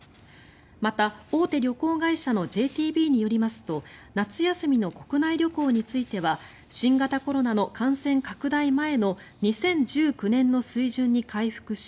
また、大手旅行会社のＪＴＢによりますと夏休みの国内旅行については新型コロナの感染拡大前の２０１９年の水準に回復し